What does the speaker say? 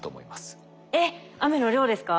えっ雨の量ですか？